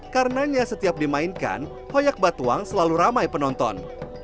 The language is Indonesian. karenanya setiap dimainkan hoyak batuang selalu ramai penonton